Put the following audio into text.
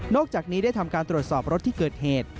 อกจากนี้ได้ทำการตรวจสอบรถที่เกิดเหตุ